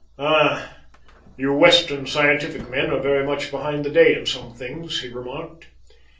"Ah, you Western scientific men are very much behind the day in some things," he remarked.